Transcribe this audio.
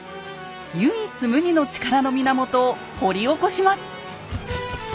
唯一無二の力の源を掘り起こします。